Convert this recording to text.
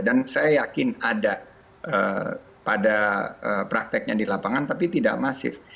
saya yakin ada pada prakteknya di lapangan tapi tidak masif